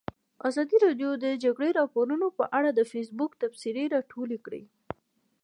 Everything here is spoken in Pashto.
ازادي راډیو د د جګړې راپورونه په اړه د فیسبوک تبصرې راټولې کړي.